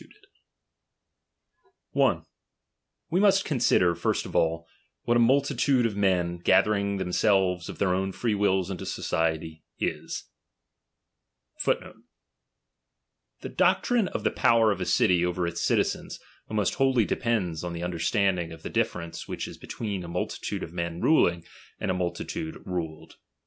righlbe bated U I 72 DOMINION. , 1. We must consider, first of all, what a multitude* of men, gathering themselves of their own free wills into society, is ; namely, that it is not any • Multilude, Ifc.'} Tht doctrine of the powpr of a city over its citizens, almost wholly depends on tlie understanding of the dif ference which is between a multitude of men ruling, and a multi lude ruled.